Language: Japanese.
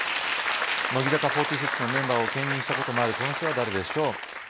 乃木坂４６のメンバーを兼任したこともあるこの人は誰でしょう青何番？